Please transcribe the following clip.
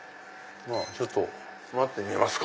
ちょっと待ってみますか。